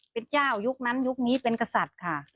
เป็นเจ้ายุคนั้นยุคนี้เป็นกษัตริย์ค่ะ